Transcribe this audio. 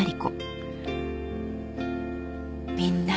みんな。